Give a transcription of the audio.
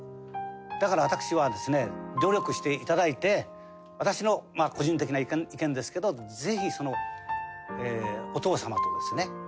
だから私はですね努力して頂いて私の個人的な意見ですけどぜひそのお父様とですね